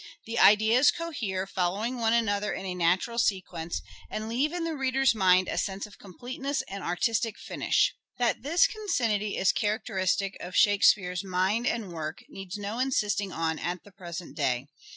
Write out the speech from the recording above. The ideas cohere, following one another in a natural sequence, and leave in the reader's mind a sense of completeness and artistic finish. That this concinnity is characteristic of Shake speare's mind and work needs no insisting on at the present day.